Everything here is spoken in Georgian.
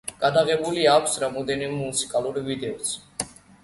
გადაღებული აქვს რამდენიმე მუსიკალური ვიდეოც.